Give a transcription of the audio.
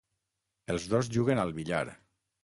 Els dos juguen al billar.